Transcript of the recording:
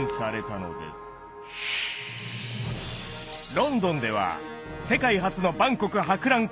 ロンドンでは世界初の万国博覧会を開催。